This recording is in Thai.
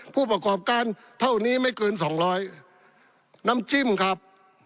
ผู้ประกอบการเท่านี้ไม่เกินสองร้อยน้ำจิ้มครับ